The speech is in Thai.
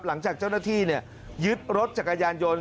หลังจากเจ้าหน้าที่ยึดรถจักรยานยนต์